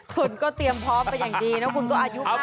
คุณก็เตรียมพร้อมไปอย่างดีนะคุณก็อายุมาก